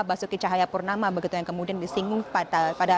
basuki cahaya purnama begitu yang kemudian disinggung pada